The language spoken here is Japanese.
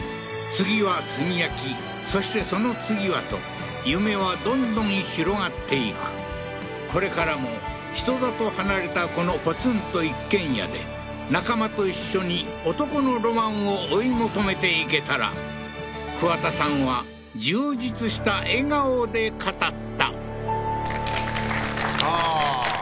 次は炭焼きそしてその次はと夢はどんどん広がっていくこれからも人里離れたこのポツンと一軒家で仲間と一緒に男のロマンを追い求めていけたら桑田さんは充実した笑顔で語ったああー